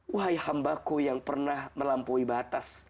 wahai hambaku yang pernah melampaui batas